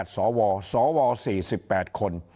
สวสว๔๘คน